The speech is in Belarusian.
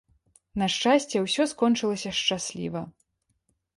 На шчасце, усё скончылася шчасліва.